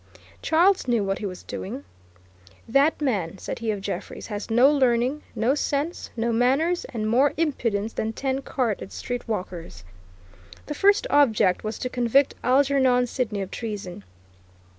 Charles knew what he was doing. "That man," said he of Jeffreys, "has no learning, no sense, no manners, and more impudence than ten carted street walkers." The first object was to convict Algernon Sidney of treason.